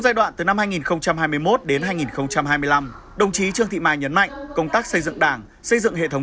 giai đoạn từ năm hai nghìn hai mươi một đến hai nghìn hai mươi năm đồng chí trương thị mai nhấn mạnh công tác xây dựng đảng xây dựng hệ thống